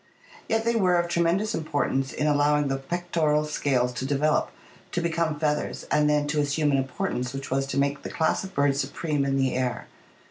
Yet they were of tre mendous importance in allowing the pectoral scales to develop, to become feathers, and then to assume an importance which was to make the class of birds supreme in the air.